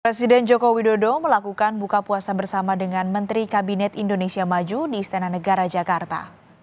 presiden joko widodo melakukan buka puasa bersama dengan menteri kabinet indonesia maju di istana negara jakarta